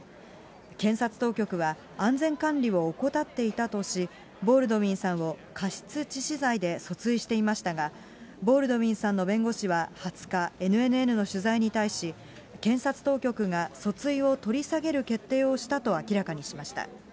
検察当局は、安全管理を怠っていたとし、ボールドウィンさんを過失致死罪で訴追していましたが、ボールドウィンさんの弁護士は２０日、ＮＮＮの取材に対し、検察当局が訴追を取り下げる決定をしたと明らかにしました。